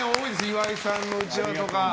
岩井さんのうちわとか。